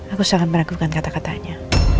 aku sangat meragukan kata katanya